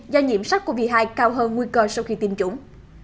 do nhiễm sắc covid một mươi chín cao hơn nguy cơ sau khi tiêm chủng